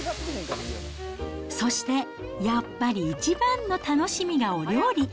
そしてやっぱり一番の楽しみがお料理。